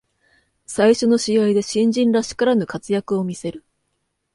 最初の試合で新人らしからぬ活躍を見せる